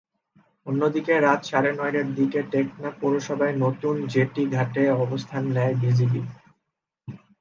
অন্যদিকে, রাত সাড়ে নয়টার দিকে টেকনাফ পৌরসভার নতুন জেটি ঘাটে অবস্থান নেয় বিজিবি।